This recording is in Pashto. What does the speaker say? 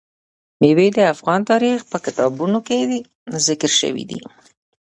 مېوې د افغان تاریخ په کتابونو کې ذکر شوی دي.